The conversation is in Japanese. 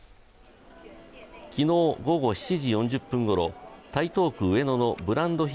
昨日午後７時４０分ごろ、台東区上野のブランド品